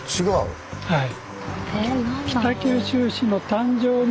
はい。